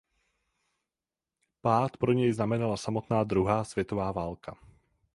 Pád pro něj znamenala samotná druhá světová válka.